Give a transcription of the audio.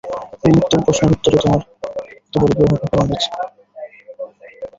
পূর্বোক্ত প্রশ্নের উত্তরে তোমরা হয়তো বলিবে, উহা ভগবানের ইচ্ছা।